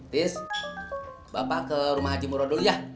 tis bapak ke rumah haji murod dulu ya